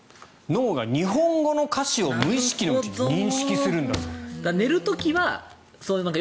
脳が日本語の歌詞を無意識に認識するんだそうです。